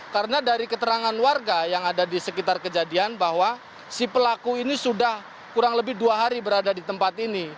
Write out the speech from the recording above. karena dari keterangan warga yang ada di sekitar kejadian bahwa si pelaku ini sudah kurang lebih dua hari berada di tempat ini